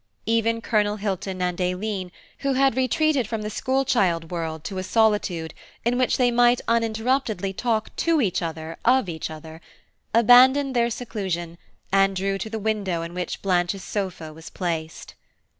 Even Colonel Hilton and Aileen, who had retreated from the school child world to a solitude in which they might uninterruptedly talk to each other of each other, abandoned their seclusion, and drew to the window in which Blanche's sofa was placed.